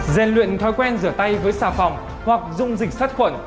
giàn luyện thói quen rửa tay với xà phòng hoặc dùng dịch sát khuẩn